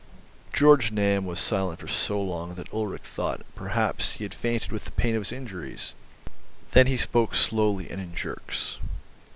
Georg Znaeym was silent for so long that Ulrich thought, perhaps, he had fainted with the pain of his injuries. Then he spoke slowly and in jerks.